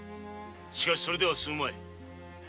だがそれでは済むまい。